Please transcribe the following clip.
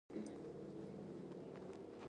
ډرامه د ښوونځیو لپاره مرسته کوي